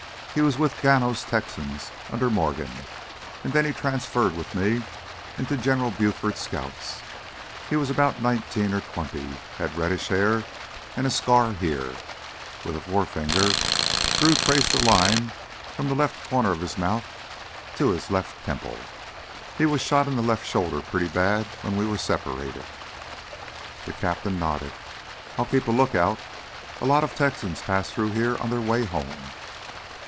He was with Gano's Texans under Morgan, and then he transferred with me into General Buford's Scouts. He's about nineteen or twenty, has reddish hair and a scar here " With a forefinger Drew traced a line from the left corner of his mouth to his left temple. "He was shot in the left shoulder pretty bad when we were separated." The captain nodded. "I'll keep a lookout. A lot of Texans pass through here on their way home."